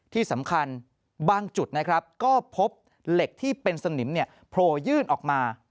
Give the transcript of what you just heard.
ที่สำคัญบางจุดนะครับก็พบเหล็กที่เป็นสนิมโผล่ยื่นออกมา